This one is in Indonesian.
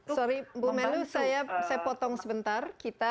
sorry bu melu saya potong sebentar